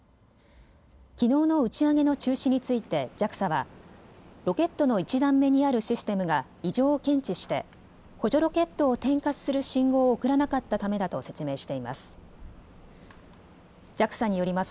きのうの打ち上げの中止についてＪＡＸＡはロケットの１段目にあるシステムが異常を検知して補助ロケットを点火する信号を送らなかったためだと説明しています。